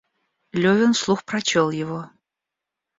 Левин вслух прочел его.